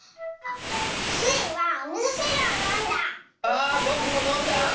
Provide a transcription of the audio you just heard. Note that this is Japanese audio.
あぼくものんだ！